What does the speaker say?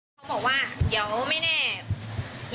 เขาบอกว่าเดี๋ยวไม่แน่